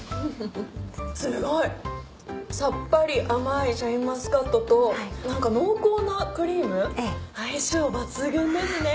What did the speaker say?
すごい！さっぱり甘いシャインマスカットと濃厚なクリーム相性抜群ですね。